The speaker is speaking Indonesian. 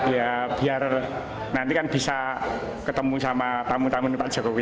ya biar nanti kan bisa ketemu sama tamu tamu pak jokowi